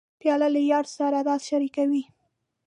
پیاله له یار سره راز شریکوي.